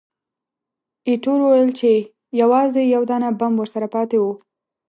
ایټور وویل چې، یوازې یو دانه بم ورسره پاتې وو.